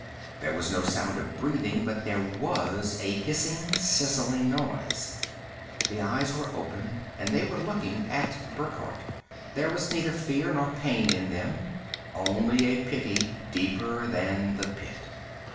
There was no sound of breathing, but there was a hissing, sizzling noise. The eyes were open and they were looking at Burckhardt. There was neither fear nor pain in them, only a pity deeper than the Pit.